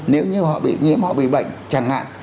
nếu như họ bị nhiễm họ vì bệnh chẳng hạn